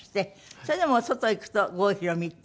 それでも外へ行くと郷ひろみって。